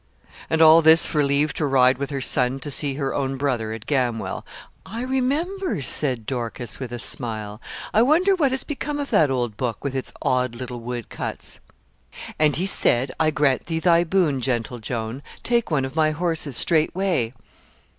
And all this for leave to ride with her son to see her own brother at Gamwell.' 'I remember,' said Dorcas, with a smile. 'I wonder what has become of that old book, with its odd little woodcuts. 'And he said, I grant thee thy boon, gentle Joan! Take one of my horses straightway.'